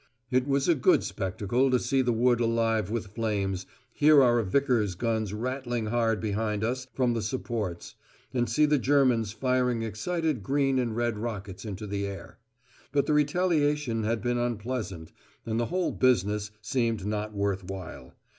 It was a good spectacle to see the wood alive with flames, hear our Vickers' guns rattling hard behind us from the supports, and see the Germans firing excited green and red rockets into the air. But the retaliation had been unpleasant, and the whole business seemed not worth while.